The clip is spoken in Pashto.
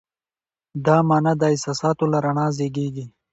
دا مانا د احساساتو له رڼا زېږېږي.